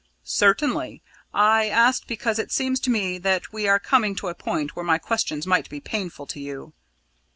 "Certainly! I asked because it seems to me that we are coming to a point where my questions might be painful to you."